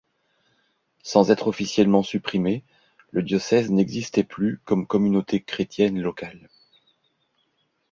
Sans être officiellement supprimé, le diocèse n’existait plus comme communauté chrétienne locale.